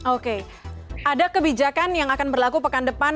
oke ada kebijakan yang akan berlaku pekan depan